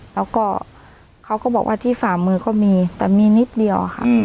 แล้วก็เขาก็บอกว่าที่ฝ่ามือก็มีแต่มีนิดเดียวค่ะ